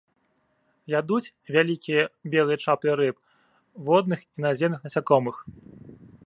Ядуць вялікія белыя чаплі рыб, водных і наземных насякомых.